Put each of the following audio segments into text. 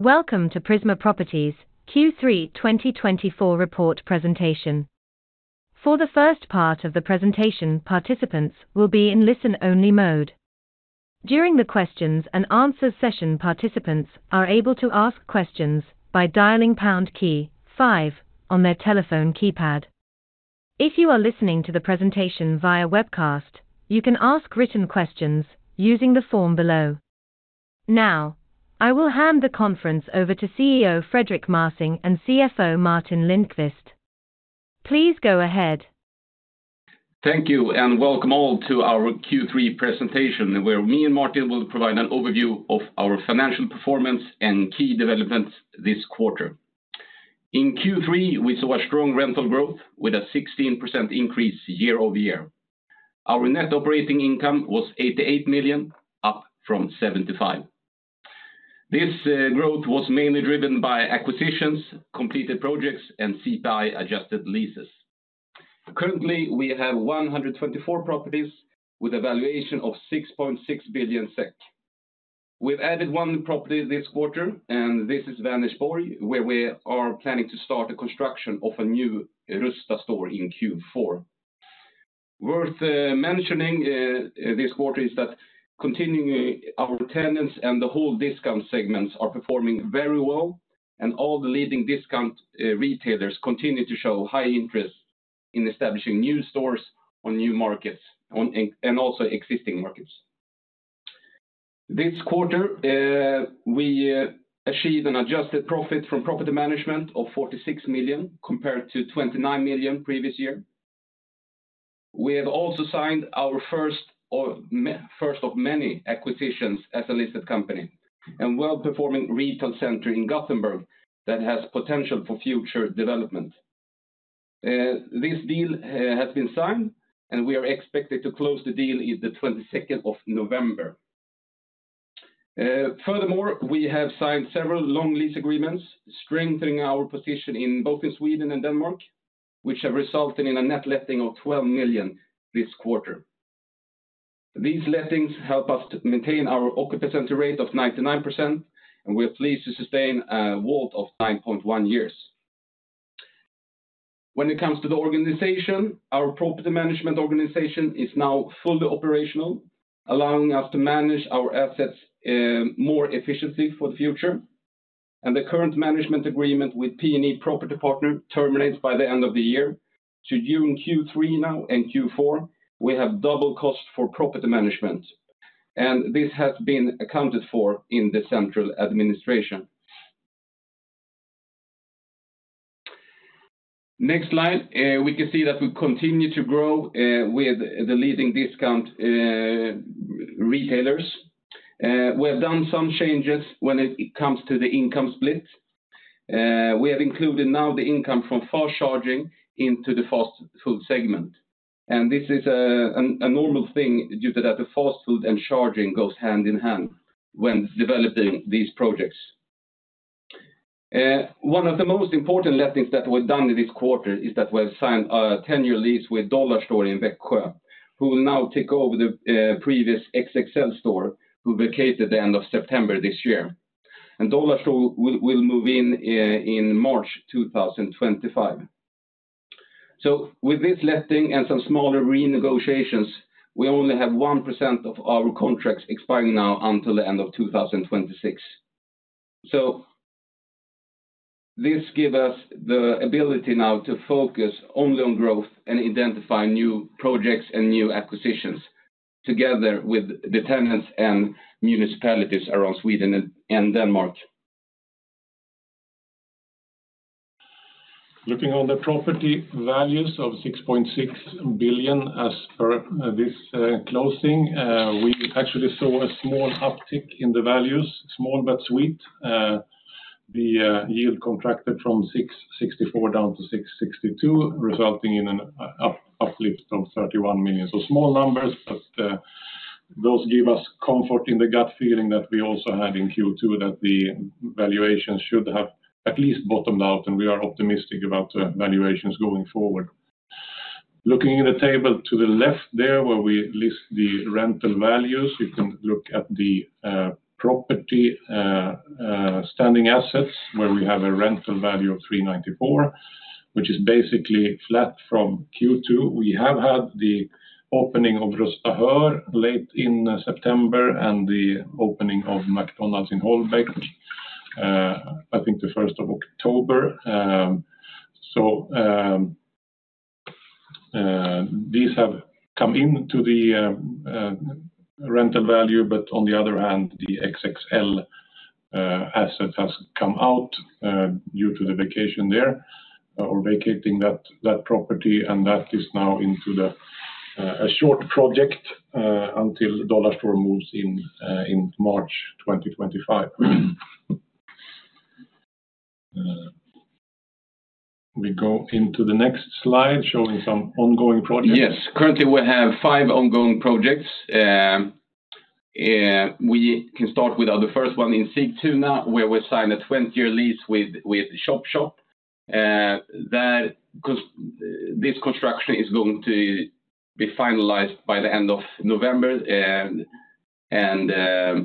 Welcome to Prisma Properties Q3 2024 report presentation. For the first part of the presentation, participants will be in listen-only mode. During the Q&A session, participants are able to ask questions by dialing pound key 5 on their telephone keypad. If you are listening to the presentation via webcast, you can ask written questions using the form below. Now, I will hand the conference over to CEO Fredrik Mässing and CFO Martin Lindqvist. Please go ahead. Thank you, and welcome all to our Q3 presentation, where me and Martin will provide an overview of our financial performance and key developments this quarter. In Q3, we saw a strong rental growth with a 16% increase year-over-year. Our net operating income was 88 million, up from 75 million. This growth was mainly driven by acquisitions, completed projects, and CPI-adjusted leases. Currently, we have 124 properties with a valuation of 6.6 billion SEK. We've added one property this quarter, and this is Vänersborg, where we are planning to start the construction of a new Rusta store in Q4. Worth mentioning this quarter is that continuing our tenants and the whole discount segments are performing very well, and all the leading discount retailers continue to show high interest in establishing new stores on new markets and also existing markets. This quarter, we achieved an adjusted profit from property management of 46 million compared to 29 million previous year. We have also signed our first of many acquisitions as a listed company and a well-performing retail centre in Gothenburg that has potential for future development. This deal has been signed, and we are expected to close the deal on the 22nd of November. Furthermore, we have signed several long lease agreements, strengthening our position both in Sweden and Denmark, which have resulted in a net letting of 12 million this quarter. These lettings help us maintain our occupancy rate of 99%, and we are pleased to sustain a WAULT of 9.1 years. When it comes to the organization, our property management organization is now fully operational, allowing us to manage our assets more efficiently for the future. The current management agreement with P&E Property Partner terminates by the end of the year, so during Q3 now and Q4, we have double costs for property management, and this has been accounted for in the central administration. Next slide. We can see that we continue to grow with the leading discount retailers. We have done some changes when it comes to the income split. We have included now the income from fast charging into the fast food segment, and this is a normal thing due to the fact that fast food and charging go hand in hand when developing these projects. One of the most important lettings that were done this quarter is that we have signed a 10-year lease with Dollarstore in Växjö, who will now take over the previous XXL store we vacated at the end of September this year. Dollarstore will move in in March 2025. So, with this letting and some smaller renegotiations, we only have 1% of our contracts expiring now until the end of 2026. So, this gives us the ability now to focus only on growth and identify new projects and new acquisitions together with the tenants and municipalities around Sweden and Denmark. Looking on the property values of 6.6 billion as per this closing, we actually saw a small uptick in the values, small but sweet. The yield contracted from 6.64 down to 6.62, resulting in an uplift of 31 million. So, small numbers, but those give us comfort in the gut feeling that we also had in Q2 that the valuations should have at least bottomed out, and we are optimistic about the valuations going forward. Looking at the table to the left there, where we list the rental values, you can look at the property standing assets, where we have a rental value of 394, which is basically flat from Q2. We have had the opening of Rusta late in September and the opening of McDonald's in Holbæk, I think the 1st of October. So, these have come into the rental value, but on the other hand, the XXL asset has come out due to the vacating there or vacating that property, and that is now into a short project until Dollarstore moves in March 2025. We go into the next slide showing some ongoing projects. Yes, currently we have five ongoing projects. We can start with the first one in Sigtuna, where we signed a 20-year lease with ChopChop. This construction is going to be finalized by the end of November, and the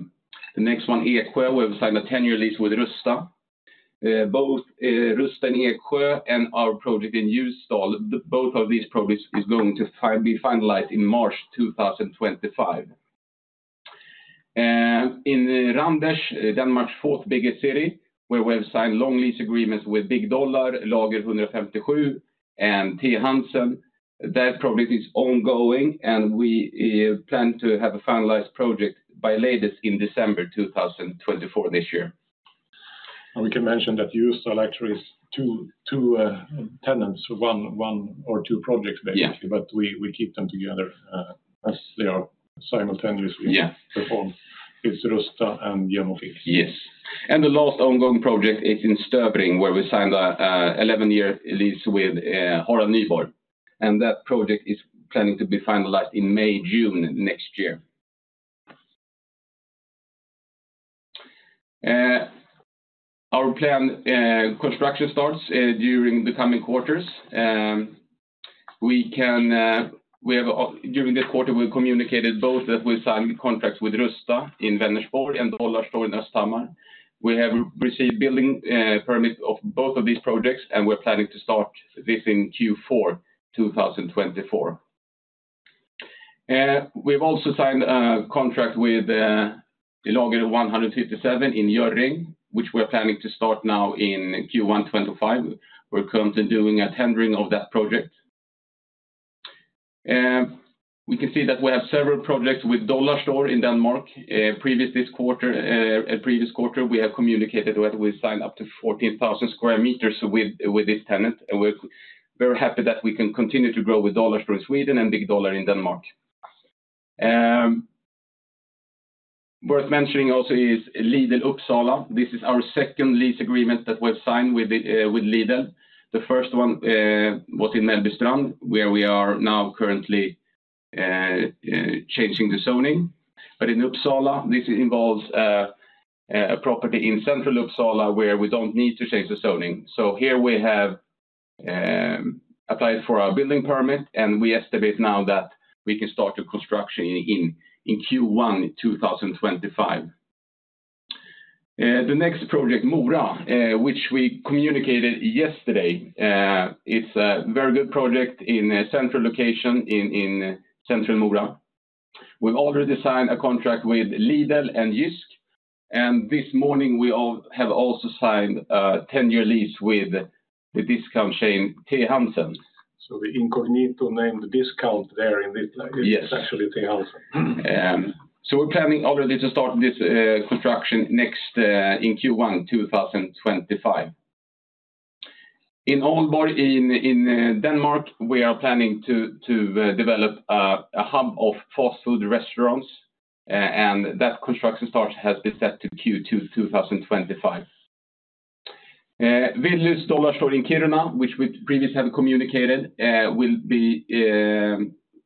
next one, Eksjö, we have signed a 10-year lease with Rusta. Both Rusta in Eksjö and our project in Ljusdal, both of these projects are going to be finalized in March 2025. In Randers, Denmark's fourth biggest city, where we have signed long lease agreements with Big Dollar, Lager 157, and Thansen, that project is ongoing, and we plan to have a finalized project by latest in December 2024 this year. We can mention that Ljusdal actually has two tenants, one or two projects basically, but we keep them together as they are simultaneously performed. It's Rusta and Jem & Fix. Yes, and the last ongoing project is in Støvring, where we signed an 11-year lease with Harald Nyborg, and that project is planning to be finalized in May/June next year. Our planned construction starts during the coming quarters. During this quarter, we communicated both that we signed contracts with Rusta in Vänersborg and Dollarstore in Östhammar. We have received building permits of both of these projects, and we're planning to start this in Q4 2024. We've also signed a contract with Lager 157 in Hjørring, which we're planning to start now in Q1 2025. We're currently doing a tendering of that project. We can see that we have several projects with Dollarstore in Denmark. Previously this quarter, we have communicated that we signed up to 14,000 square meters with this tenant, and we're very happy that we can continue to grow with Dollarstore in Sweden and Big Dollar in Denmark. Worth mentioning also is Lidl Uppsala. This is our second lease agreement that we've signed with Lidl. The first one was in Mellbystrand, where we are now currently changing the zoning. But in Uppsala, this involves a property in central Uppsala where we don't need to change the zoning. So here we have applied for a building permit, and we estimate now that we can start the construction in Q1 2025. The next project, Mora, which we communicated yesterday, is a very good project in a central location in central Mora. We've already signed a contract with Lidl and Jysk, and this morning we have also signed a 10-year lease with the discount chain Thansen. The iconic named discount there in this place is actually Thansen. So we're planning already to start this construction next in Q1 2025. In Aalborg in Denmark, we are planning to develop a hub of fast food restaurants, and that construction start has been set to Q2 2025. With Dollarstore in Kiruna, which we previously have communicated, we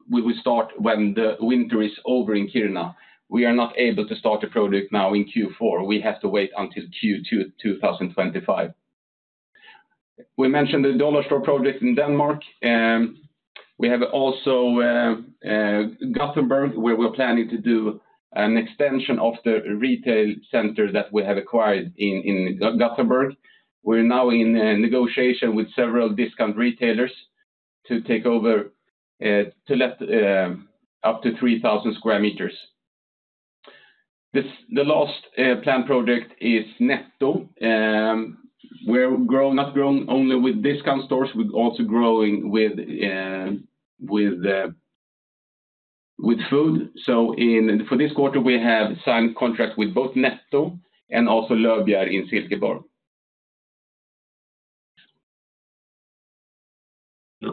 will start when the winter is over in Kiruna. We are not able to start the project now in Q4. We have to wait until Q2 2025. We mentioned the Dollarstore project in Denmark. We have also Gothenburg, where we're planning to do an extension of the retail centre that we have acquired in Gothenburg. We're now in negotiation with several discount retailers to take over to let up to 3,000 sq m. The last planned project is Netto. We're not growing only with discount stores. We're also growing with food. So for this quarter, we have signed contracts with both Netto and also Løvbjerg in Silkeborg.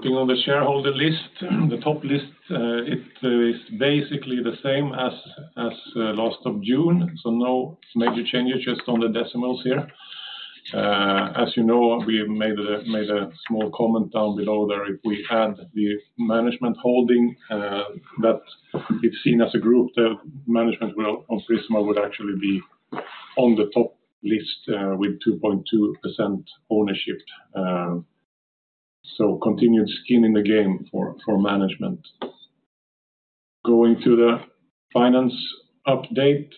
Looking on the shareholder list, the top list, it is basically the same as last of June. So no major changes, just on the decimals here. As you know, we made a small comment down below there if we add the management holding that is seen as a group, the management on Prisma would actually be on the top list with 2.2% ownership. So continued skin in the game for management. Going to the finance update,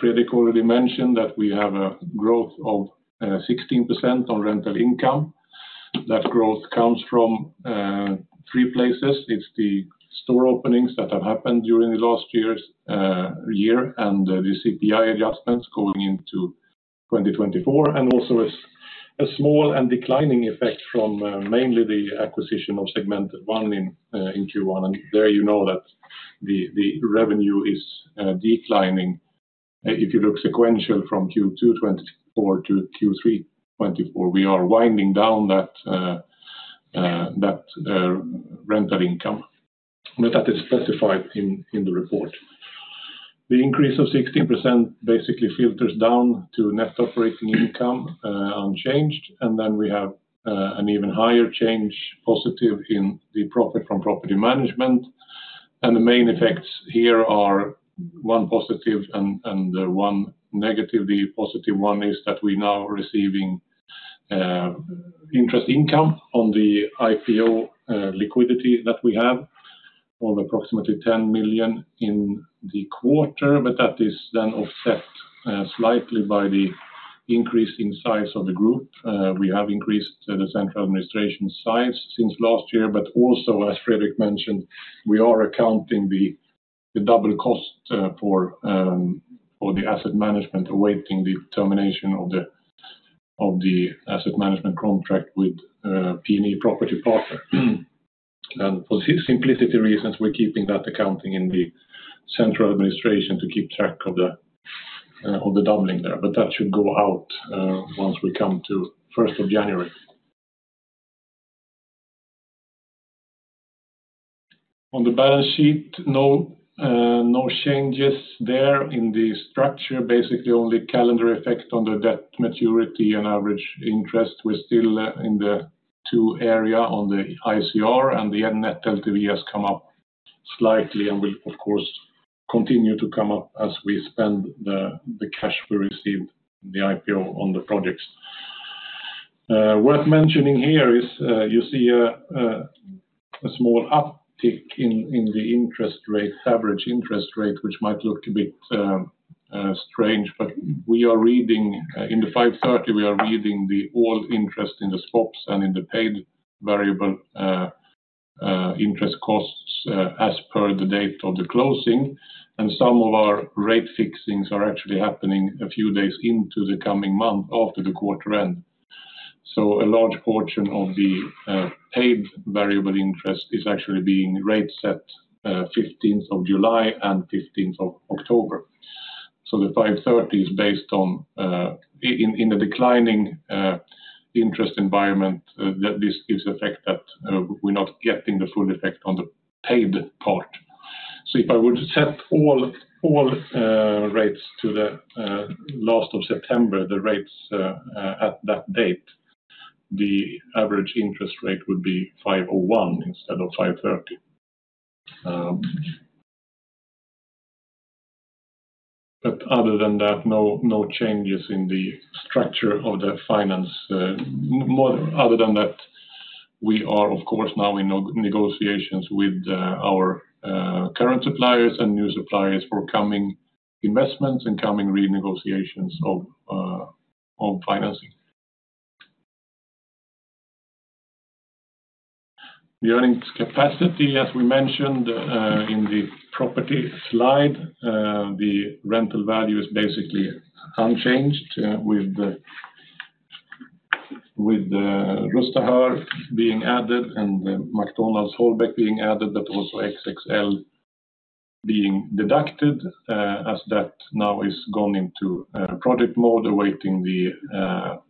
Fredrik already mentioned that we have a growth of 16% on rental income. That growth comes from three places. It's the store openings that have happened during the last year and the CPI adjustments going into 2024, and also a small and declining effect from mainly the acquisition of Segment 1 in Q1, and there you know that the revenue is declining. If you look sequential from Q2 2024 to Q3 2024, we are winding down that rental income, but that is specified in the report. The increase of 16% basically filters down to net operating income unchanged, and then we have an even higher change positive in the profit from property management. And the main effects here are one positive and one negative. The positive one is that we are now receiving interest income on the IPO liquidity that we have of approximately 10 million in the quarter, but that is then offset slightly by the increase in size of the group. We have increased the central administration size since last year, but also, as Fredrik mentioned, we are accounting the double cost for the asset management awaiting the termination of the asset management contract with P&E Property Partner. And for simplicity reasons, we're keeping that accounting in the central administration to keep track of the doubling there, but that should go out once we come to 1st of January. On the balance sheet, no changes there in the structure, basically only calendar effect on the debt maturity and average interest. We're still in the two area on the ICR, and the net LTV has come up slightly and will, of course, continue to come up as we spend the cash we received in the IPO on the projects. Worth mentioning here is you see a small uptick in the interest rate, average interest rate, which might look a bit strange, but we are including in the 5.30 all the interest in the swaps and in the paid variable interest costs as per the date of the closing. And some of our rate fixings are actually happening a few days into the coming month after the quarter end. So a large portion of the paid variable interest is actually being rate set 15th of July and 15th of October. So the 530 is based on in the declining interest environment, this gives effect that we're not getting the full effect on the paid part. So if I would set all rates to the last of September, the rates at that date, the average interest rate would be 501 instead of 530. But other than that, no changes in the structure of the finance. Other than that, we are, of course, now in negotiations with our current suppliers and new suppliers for coming investments and coming renegotiations of financing. The earnings capacity, as we mentioned in the property slide, the rental value is basically unchanged with Rusta being added and McDonald's Holbæk being added, but also XXL being deducted as that now is gone into project mode awaiting the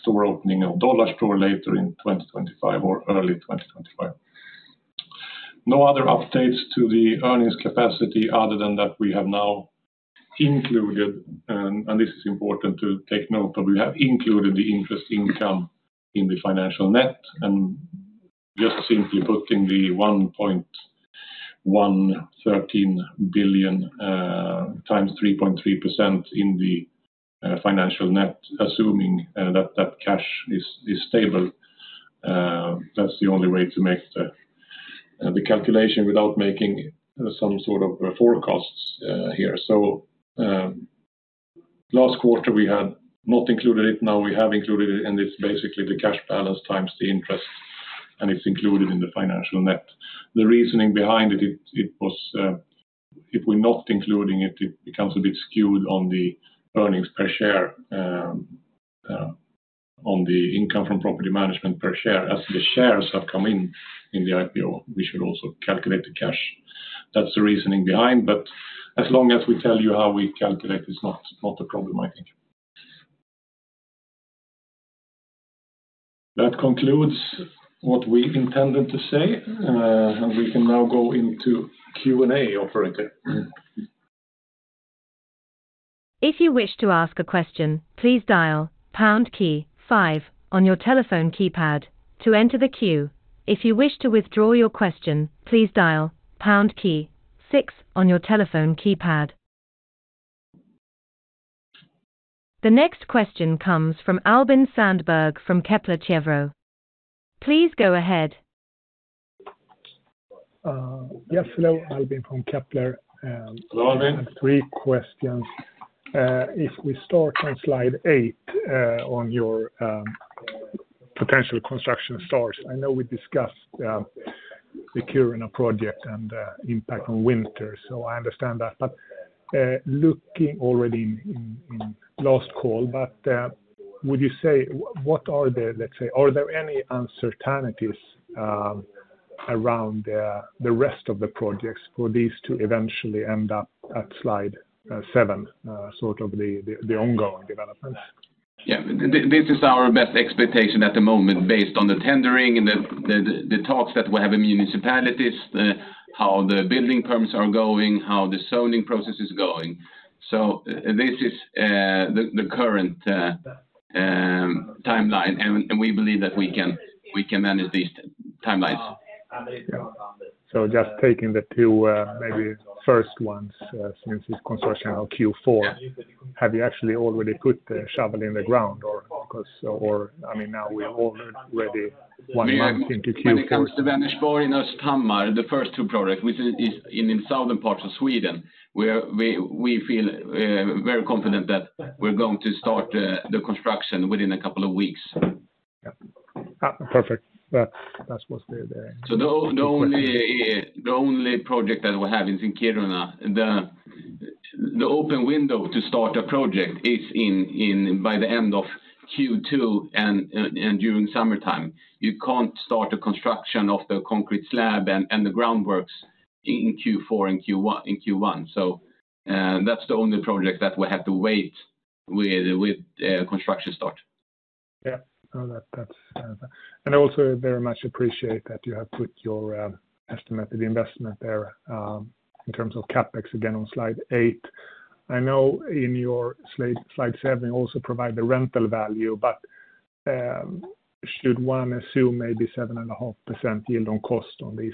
store opening of Dollarstore later in 2025 or early 2025. No other updates to the earnings capacity other than that we have now included, and this is important to take note of, we have included the interest income in the financial net and just simply putting the 1.113 billion times 3.3% in the financial net, assuming that that cash is stable. That's the only way to make the calculation without making some sort of forecasts here, so last quarter we had not included it, now we have included it, and it's basically the cash balance times the interest, and it's included in the financial net. The reasoning behind it, it was if we're not including it, it becomes a bit skewed on the earnings per share, on the income from property management per share. As the shares have come in in the IPO, we should also calculate the cash. That's the reasoning behind, but as long as we tell you how we calculate, it's not a problem, I think. That concludes what we intended to say, and we can now go into Q&A already. If you wish to ask a question, please dial #5 on your telephone keypad to enter the queue. If you wish to withdraw your question, please dial #6 on your telephone keypad. The next question comes from Albin Sandberg from Kepler Cheuvreux. Please go ahead. Yes, hello, Albin from Kepler. Hello, Albin. Three questions. If we start on slide eight on your potential construction starts, I know we discussed the Kiruna project and the impact on winter, so I understand that. But looking already in last call, would you say what are the, let's say, are there any uncertainties around the rest of the projects for these to eventually end up at slide seven, sort of the ongoing developments? Yeah, this is our best expectation at the moment based on the tendering and the talks that we have in municipalities, how the building permits are going, how the zoning process is going. So this is the current timeline, and we believe that we can manage these timelines. So just taking the two maybe first ones since it's consensus Q4, have you actually already put the shovel in the ground or because, I mean, now we're already one month into Q4? First, Vänersborg and Östhammar, the first two projects, which is in the southern parts of Sweden, we feel very confident that we're going to start the construction within a couple of weeks. Perfect. That's what we're there. So the only project that we have is in Kiruna. The open window to start a project is by the end of Q2 and during summertime. You can't start the construction of the concrete slab and the groundworks in Q4 and Q1. So that's the only project that we have to wait with construction start. Yeah, no, that's fair. And I also very much appreciate that you have put your estimate of the investment there in terms of CapEx again on slide eight. I know in your slide seven you also provide the rental value, but should one assume maybe 7.5% yield on cost on these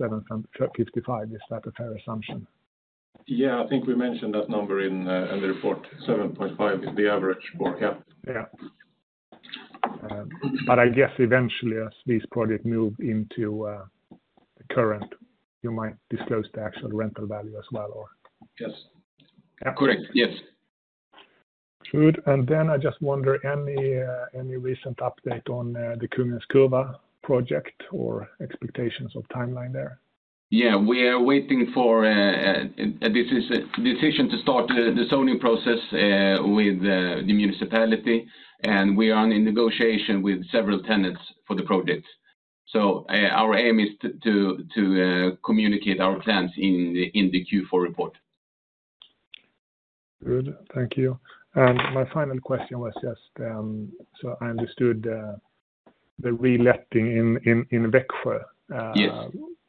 7.55, is that a fair assumption? Yeah, I think we mentioned that number in the report, 7.5 is the average for CapEx. Yeah. But I guess eventually, as these projects move into the current, you might disclose the actual rental value as well, or? Yes. Correct. Yes. Good, and then I just wonder, any recent update on the Kungens Kurva project or expectations of timeline there? Yeah, we are waiting for this decision to start the zoning process with the municipality, and we are in negotiation with several tenants for the project, so our aim is to communicate our plans in the Q4 report. Good. Thank you. And my final question was just, so I understood the reletting in Växjö.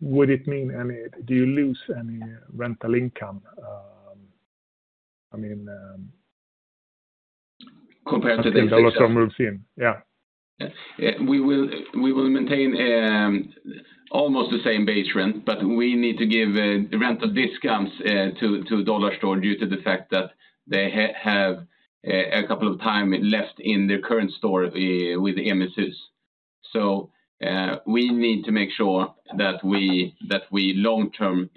Would it mean any, do you lose any rental income? I mean. Compared to the. When Dollarstore moves in, yeah. We will maintain almost the same base rent, but we need to give rental discounts to Dollarstore due to the fact that they have a couple of time left in their current store with MSS. So we need to make sure that we long-term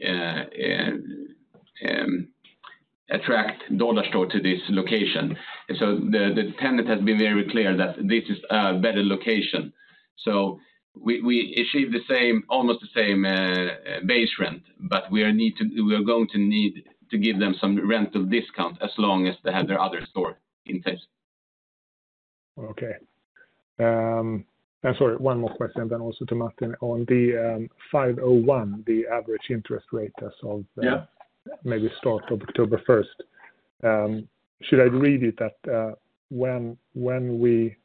attract Dollarstore to this location. So the tenant has been very clear that this is a better location. So we achieve the same, almost the same base rent, but we are going to need to give them some rental discount as long as they have their other store in place. Okay. And sorry, one more question then also to Martin on the 5.01, the average interest rate as of maybe start of October 1st. Should I read you that when we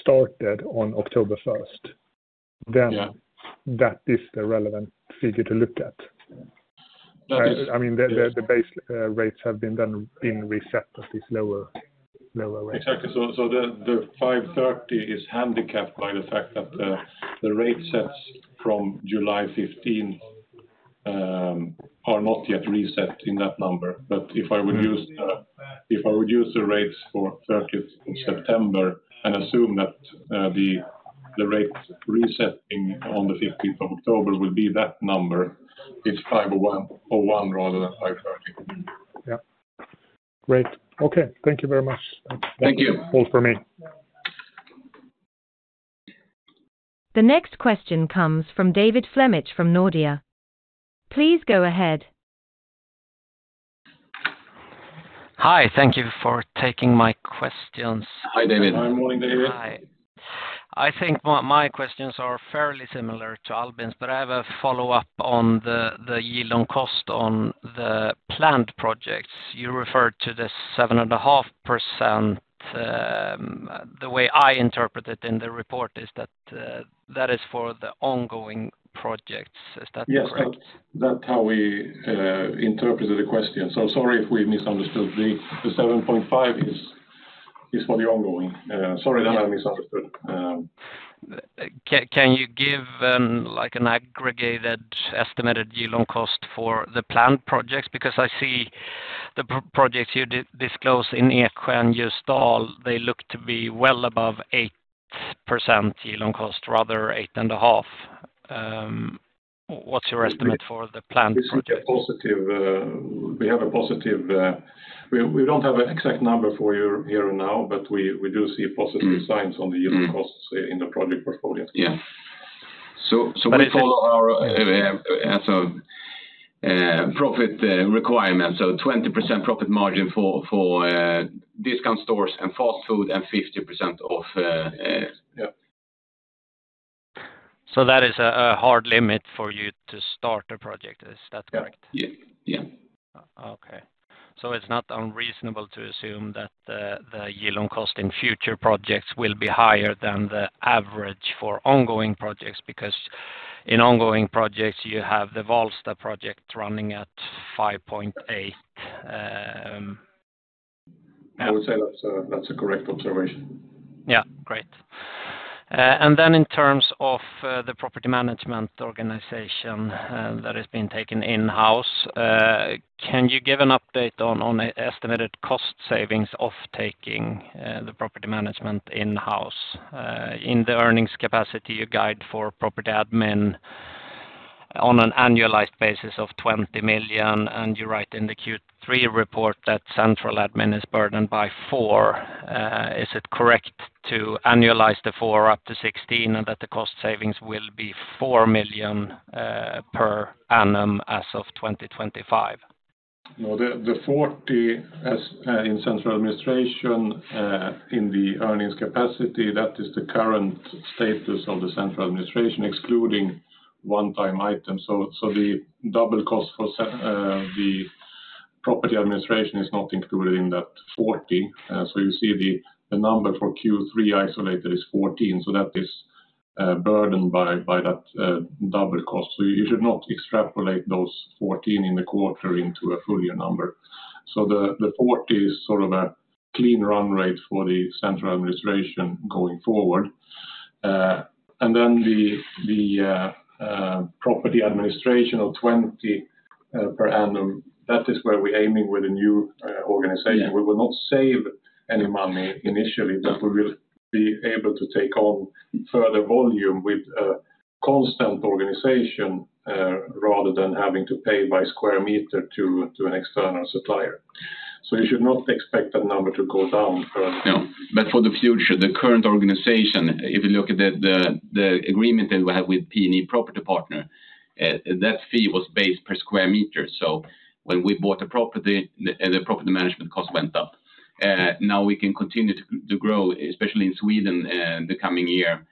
started on October 1st, then that is the relevant figure to look at? I mean, the base rates have been reset at this lower rate. Exactly. So the 530 is handicapped by the fact that the rate sets from July 15th are not yet reset in that number. But if I would use the rates for 30th of September and assume that the rate resetting on the 15th of October would be that number, it's 501 rather than 530. Yeah. Great. Okay. Thank you very much. Thank you. All for me. The next question comes from David Flemmich from Nordea. Please go ahead. Hi. Thank you for taking my questions. Hi, David. Hi, morning, David. Hi. I think my questions are fairly similar to Albin's, but I have a follow-up on the yield on cost on the planned projects. You referred to the 7.5%. The way I interpreted it in the report is that that is for the ongoing projects. Is that correct? Yes, that's how we interpreted the question. So sorry if we misunderstood. The 7.5 is for the ongoing. Sorry that I misunderstood. Can you give an aggregated estimated yield on cost for the planned projects? Because I see the projects you disclose in Eksjö and Ljusdal, they look to be well above 8% yield on cost, rather 8.5%. What's your estimate for the planned projects? We have a positive. We don't have an exact number for you here and now, but we do see positive signs on the yield on cost in the project portfolio. Yeah. We follow our profit requirements, so 20% profit margin for discount stores and fast food and 50% off. So that is a hard limit for you to start a project. Is that correct? Yes. Yeah. Okay, so it's not unreasonable to assume that the yield on cost in future projects will be higher than the average for ongoing projects because in ongoing projects, you have the Valsta project running at 5.8. I would say that's a correct observation. Yeah. Great. And then in terms of the property management organization that has been taken in-house, can you give an update on estimated cost savings of taking the property management in-house in the earnings capacity you guide for property admin on an annualized basis of 20 million? And you write in the Q3 report that central admin is burdened by 4 million. Is it correct to annualize the 4 million up to 16 million and that the cost savings will be 4 million per annum as of 2025? No, the 40 in central administration in the earnings capacity, that is the current status of the central administration excluding one-time items. So the double cost for the property administration is not included in that 40. So you see the number for Q3 isolated is 14, so that is burdened by that double cost. So you should not extrapolate those 14 in the quarter into a full year number. So the 40 is sort of a clean run rate for the central administration going forward. And then the property administration of 20 per annum, that is where we're aiming with the new organization. We will not save any money initially, but we will be able to take on further volume with a constant organization rather than having to pay by square meter to an external supplier. So you should not expect that number to go down further. No, but for the future, the current organization, if you look at the agreement that we have with P&E Property Partner, that fee was based per square meter, so when we bought a property, the property management cost went up. Now we can continue to grow, especially in Sweden the coming year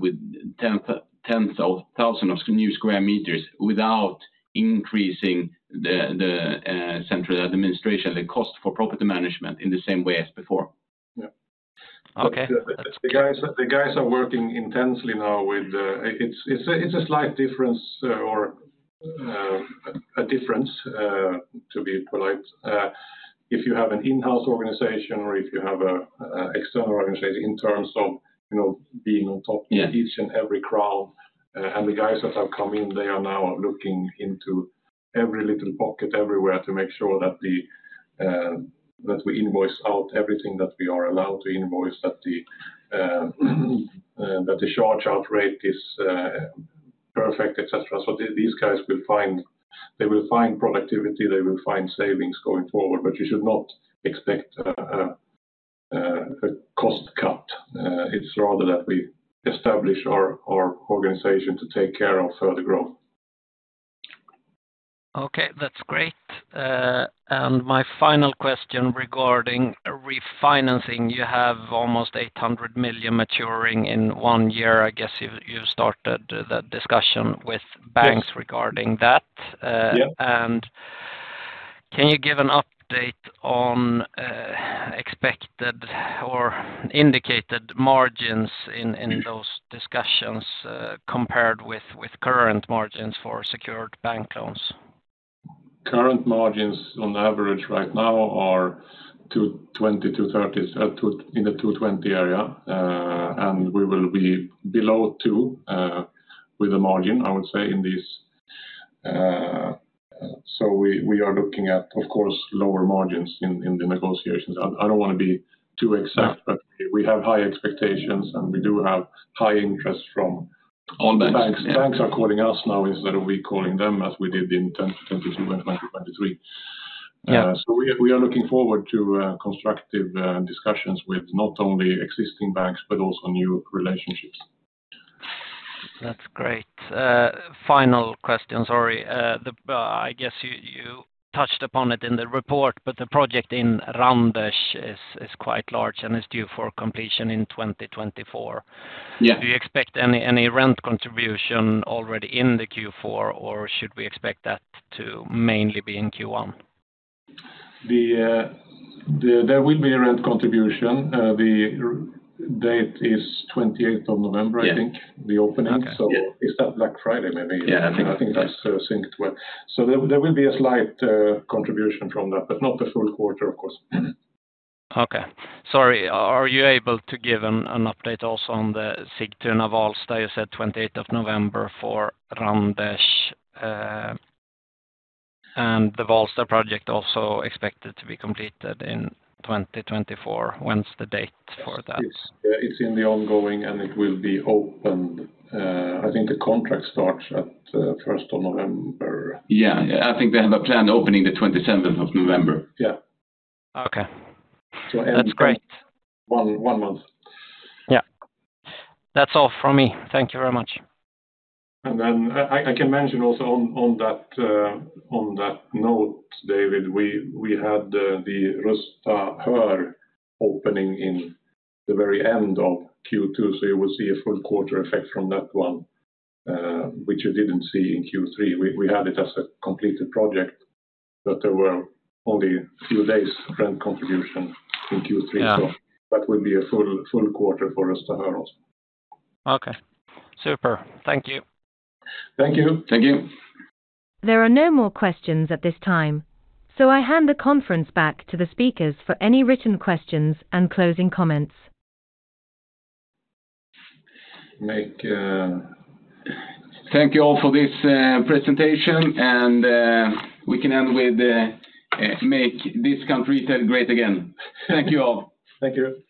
with tens of thousands of new square meters without increasing the central administration, the cost for property management in the same way as before. Yeah. Okay. The guys are working intensely now with. It's a slight difference or a difference, to be polite. If you have an in-house organization or if you have an external organization in terms of being on top of each and every crown, and the guys that have come in, they are now looking into every little pocket everywhere to make sure that we invoice out everything that we are allowed to invoice, that the charge-out rate is perfect, etc. So these guys will find productivity, they will find savings going forward, but you should not expect a cost cut. It's rather that we establish our organization to take care of further growth. Okay. That's great. And my final question regarding refinancing. You have almost 800 million maturing in one year. I guess you started the discussion with banks regarding that. And can you give an update on expected or indicated margins in those discussions compared with current margins for secured bank loans? Current margins on average right now are 2.2, 3.0, in the 2.20 area, and we will be below 2 with the margin, I would say, in these. So we are looking at, of course, lower margins in the negotiations. I don't want to be too exact, but we have high expectations and we do have high interest from. All banks. Banks are calling us now instead of we calling them as we did in 2022 and 2023. So we are looking forward to constructive discussions with not only existing banks, but also new relationships. That's great. Final question, sorry. I guess you touched upon it in the report, but the project in Randers is quite large and is due for completion in 2024. Do you expect any rent contribution already in the Q4, or should we expect that to mainly be in Q1? There will be a rent contribution. The date is 28th of November, I think, the opening. So it's that Black Friday Maybe. Yeah, I think so. I think that's synced well. So there will be a slight contribution from that, but not the full quarter, of course. Okay. Sorry, are you able to give an update also on the Sigtuna-Valsta? You said 28th of November for Randers, and the Valsta project also expected to be completed in 2024. When's the date for that? It's in the ongoing and it will be opened. I think the contract starts at 1st of November. Yeah. I think they have a plan opening the 27th of November. Yeah. Okay. That's great. One month. Yeah. That's all from me. Thank you very much. And then I can mention also on that note, David, we had the Rusta Höör opening in the very end of Q2, so you will see a full quarter effect from that one, which you didn't see in Q3. We had it as a completed project, but there were only a few days rent contribution in Q3. So that will be a full quarter for Rusta Höör also. Okay. Super. Thank you. Thank you. Thank you. There are no more questions at this time, so I hand the conference back to the speakers for any written questions and closing comments. Thank you all for this presentation, and we can end with "Make this country great again." Thank you all. Thank you.